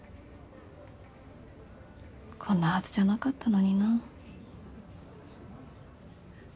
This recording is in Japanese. こんなはずじゃなかったのにな。